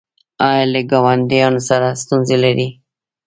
ایا له ګاونډیانو سره ستونزې لرئ؟